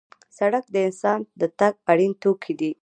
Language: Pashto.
سړک د انسان د تګ اړین توکی دی.